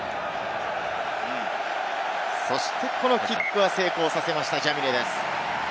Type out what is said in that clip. そして、このキックは成功させました、ジャミネです。